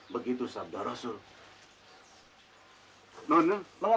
tidak ada kekurangan